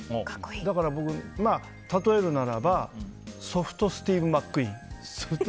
だから、例えるならばスティーブ・マックイーン。